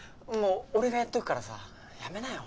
俺がやっとくからさやめなよ。